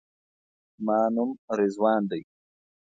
زما نوم رضوان دی.